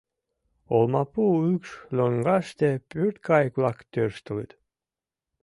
Олмапу укш лоҥгаште пӧрткайык-влак тӧрштылыт.